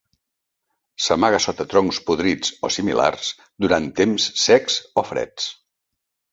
S'amaga sota troncs podrits o similars durant temps secs o freds.